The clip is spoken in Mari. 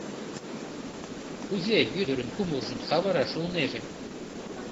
Кузе ӱдырын кумылжым савыраш улнеже?